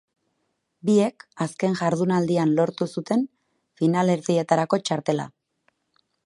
Biek azken jardunaldian lortu zuten finalerdietarako txartela.